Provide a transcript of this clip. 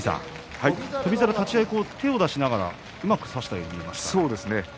翔猿は手を出しながらうまく差したように見えますね